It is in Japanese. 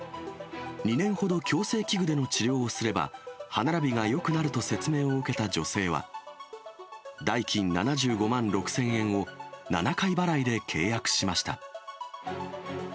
２年ほど矯正器具での治療をすれば歯並びがよくなると説明を受けた女性は、代金７５万６０００円を７回払いで契約しました。